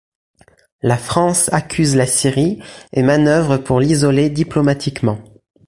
La France accuse la Syrie et manœuvre pour l'isoler diplomatiquement.